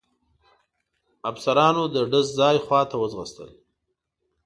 افسرانو د ډز ځای خواته وځغستل.